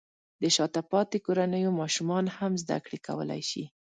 د شاته پاتې کورنیو ماشومان هم زده کړې کولی شي.